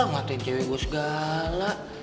nguatin cewek gue segala